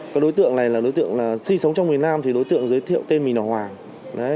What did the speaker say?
cái đối tượng này là đối tượng sinh sống trong miền nam thì đối tượng giới thiệu tên mình là hoàng